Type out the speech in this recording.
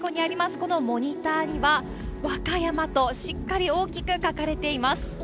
このモニターには、ＷＡＫＡＹＡＭＡとしっかり大きく書かれています。